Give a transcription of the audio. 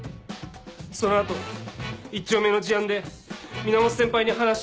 その後１丁目の事案で源先輩に話を。